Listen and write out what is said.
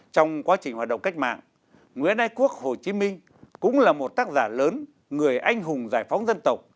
trong quá trình hoạt động cách mạng nguyễn ái quốc hồ chí minh cũng là một tác giả lớn người anh hùng giải phóng dân tộc